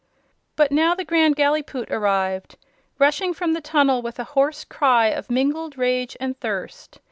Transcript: But now the Grand Gallipoot arrived, rushing from the tunnel with a hoarse cry of mingled rage and thirst.